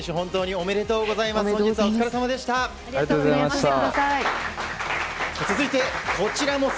おめでとうございます。